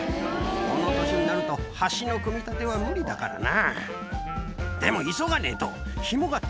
この年になると橋の組み立ては無理だからな。